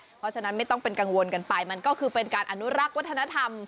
เพราะฉะนั้นไม่ต้องเป็นกังวลกันไปมันก็คือเป็นการอนุรักษ์วัฒนธรรม